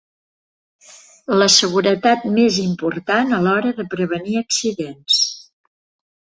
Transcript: La seguretat més important a l'hora de prevenir accidents.